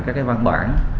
các cái văn bản